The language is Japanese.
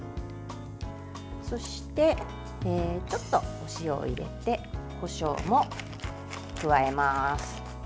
そして、ちょっとお塩を入れてこしょうも加えます。